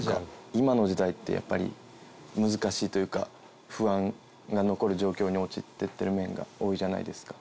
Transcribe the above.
今の時代ってやっぱり難しいというか不安が残る状況に陥っていってる面が多いじゃないですか。